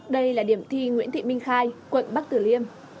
đây là điểm thi nguyễn thị minh khai quận bắc tử liêm